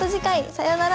さようなら。